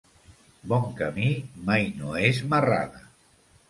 Bon camí mai no és marrada.